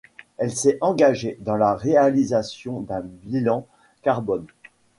Elle s'est engagée dans la réalisation d'un Bilan Carbone.